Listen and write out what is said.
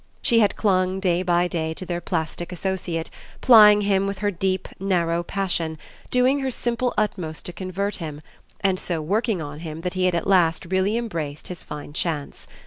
She had clung day by day to their plastic associate, plying him with her deep, narrow passion, doing her simple utmost to convert him, and so working on him that he had at last really embraced his fine chance.